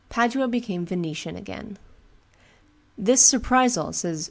Padua became Venetian again. "This surprisal," says M.